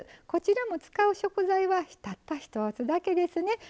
こちらも使う食材はたった１つだけですね。